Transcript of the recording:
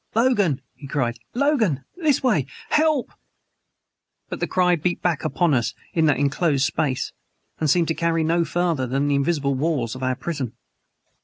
"Logan!" he cried. "Logan! This way HELP!" But the cry beat back upon us in that enclosed space and seemed to carry no farther than the invisible walls of our prison.